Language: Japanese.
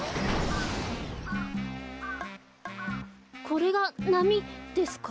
これがなみですか？